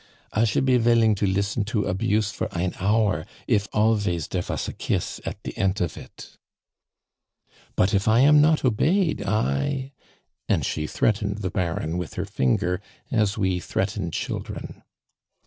"I should be villing to listen to abuse for ein hour if alvays der vas a kiss at de ent of it." "But if I am not obeyed, I " and she threatened the Baron with her finger as we threaten children.